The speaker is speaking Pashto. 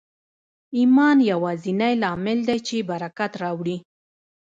ایمان یوازېنی لامل دی چې برکت راوړي